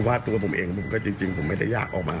ว่าตัวผมเองผมก็จริงผมไม่ได้อยากออกมา